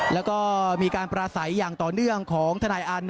แล้วก็มีการปราศัยอย่างต่อเนื่องของทนายอานนท